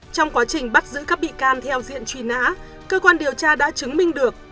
trong quá trình bắt giữ các bị can theo diện truy nã cơ quan điều tra đã chứng minh được